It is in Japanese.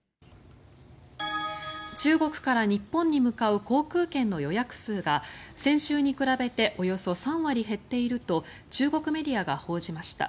中国から日本に向かう航空券の予約数が先週に比べておよそ３割減っていると中国メディアが報じました。